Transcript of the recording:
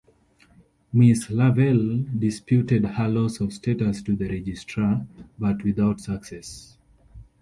Mrs. Lavell disputed her loss of status to the registrar, but without success.